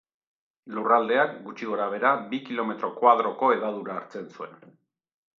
Lurraldeak, gutxi gorabehera, bi kilometro koadroko hedadura hartzen zuen.